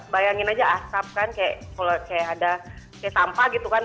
bayangin aja asap kan kayak ada sampah gitu kan